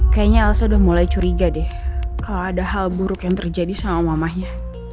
kayaknya elsa udah mulai curiga deh kalau ada hal buruk yang terjadi sama mamanya